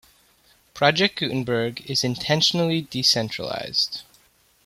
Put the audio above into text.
Project Gutenberg is intentionally decentralized.